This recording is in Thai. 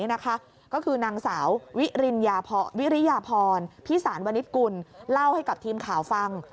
นางสาววิริยาพรพิสานวนิจกุลเล่าให้กับทีมข่าวฟัง